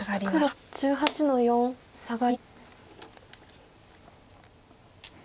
黒１８の四サガリ。